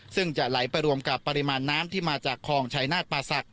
ซึ่งจะไหลไปรวมกับปริมาณน้ำที่มาจากคลองชายนาฏป่าศักดิ